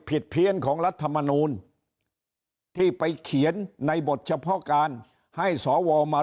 เพี้ยนของรัฐมนูลที่ไปเขียนในบทเฉพาะการให้สวมา